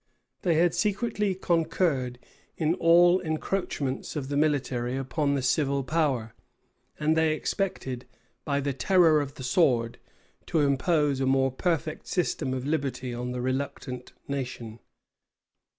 They had secretly concurred in all encroachments of the military upon the civil power; and they expected, by the terror of the sword, to impose a more perfect system of liberty on the reluctant nation.